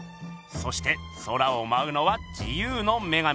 そして空をまうのは自由の女神。